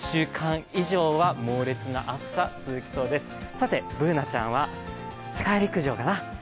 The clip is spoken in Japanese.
さて、Ｂｏｏｎａちゃんは世界陸上かな？